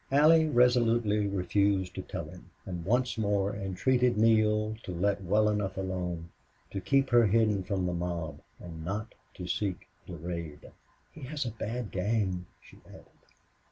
Allie resolutely refused to tell him and once more entreated Neale to let well enough alone, to keep her hidden from the mob, and not to seek Durade. "He has a bad gang," she added.